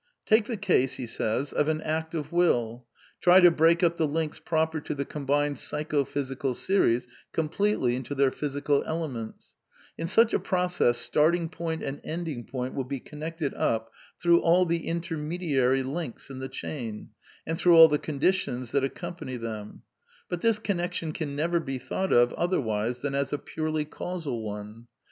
" Take the case of an act of will, try to break up the links proper to the combined psycho physical series completely into their physical elements; in such a process starting point and ending point will be connected up through all the intermediary links in the chain, and through all the conditions that accom* pany them; but this connection can never be thought of other wise than as a purely causal one.